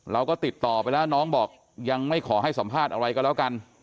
เราก็ติดต่อไปแล้วน้องบอกยังไม่ขอให้สัมภาษณ์อะไรก็แล้วกัน